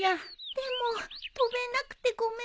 でも飛べなくてごめんなさい。